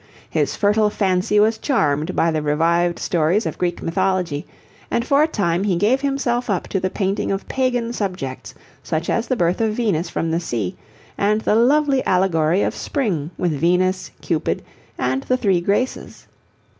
His fertile fancy was charmed by the revived stories of Greek Mythology, and for a time he gave himself up to the painting of pagan subjects such as the Birth of Venus from the Sea, and the lovely allegory of Spring with Venus, Cupid, and the Three Graces.